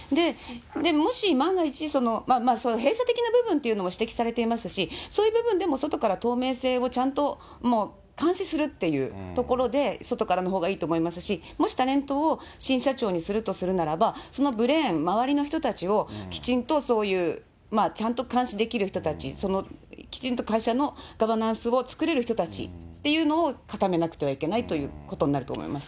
もし万が一、閉鎖的な部分というのも指摘されていますし、そういう部分でも外から透明性をちゃんと監視するっていうところで外からのほうがいいと思いますし、もしタレントを新社長にするとするならば、そのブレーン、周りの人たちをきちんとそういう、ちゃんと監視できる人たち、きちんと会社のガバナンスを作れる人たちっていうのを固めなくてはいけないということになると思います。